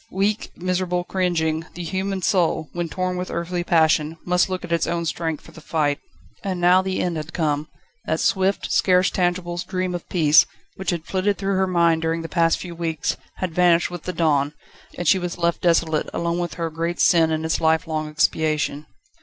Weak, miserable, cringing, the human soul, when torn with earthly passion, must look at its own strength for the fight. And now the end had come. That swift, scarce tangible dream of peace, which had flitted through her mind during the past few weeks, had vanished with the dawn, and she was left desolate, alone with her great sin and its lifelong expiation.